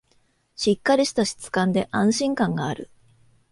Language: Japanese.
しっかりした質感で安心感がある